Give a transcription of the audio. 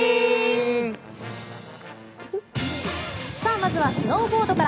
まずはスノーボードから。